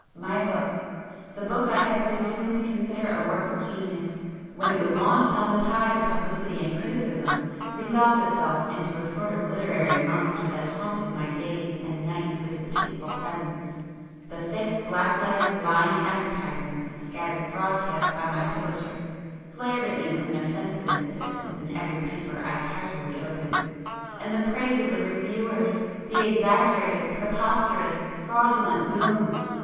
My book,—the book I had presumed to consider a work of genius,—when it was launched on the tide of publicity and criticism, resolved itself into a sort of literary monster that haunted my days and nights with its hateful presence; the thick, black lettered, lying advertisements scattered broadcast by my publisher, flared at me with an offensive insistence in every paper I casually opened. And the praise of the reviewers! ... the exaggerated, preposterous, fraudulent 'boom'!